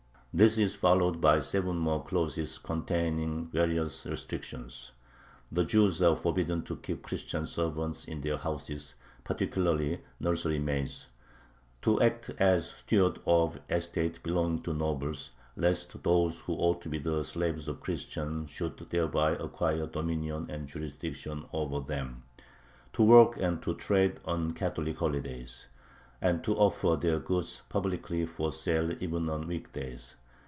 This is followed by seven more clauses containing various restrictions. The Jews are forbidden to keep Christian servants in their houses, particularly nursery maids, to act as stewards of estates belonging to nobles ("lest those who ought to be the slaves of Christians should thereby acquire dominion and jurisdiction over them"), to work and to trade on Catholic holidays, and to offer their goods publicly for sale even on weekdays.